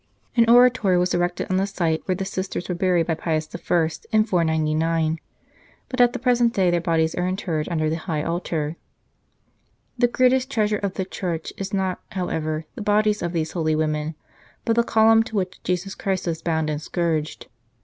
An oratory was erected on the site where the sisters were buried by Pius I. in 499, but at the present day their bodies are interred under the high altar. The greatest treasure of the church is not, how ever, the bodies of these holy women, but the column to which Jesus Christ was bound and scourged.